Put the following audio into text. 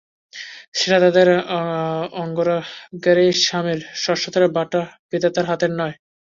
সেটা তাদের অঙ্গরাগেরই সামিল, স্বহস্তের বাঁটা, বিধাতার হাতের নয়।